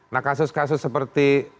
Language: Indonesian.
nah kasus kasus seperti